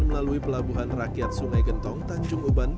melalui pelabuhan rakyat sungai gentong tanjung uban